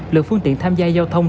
lực phương tiện tham gia giao thông